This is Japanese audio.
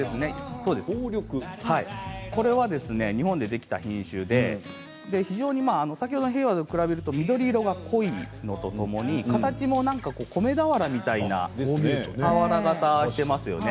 日本でできた品種で非常にヘイワードに比べると緑色が濃いとともに形も米俵みたいな俵形していますね。